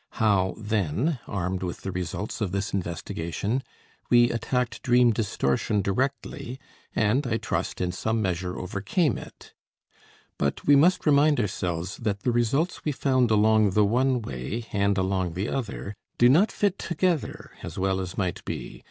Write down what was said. How, then, armed with the results of this investigation, we attacked dream distortion directly and, I trust, in some measure overcame it? But we must remind ourselves that the results we found along the one way and along the other do not fit together as well as might be.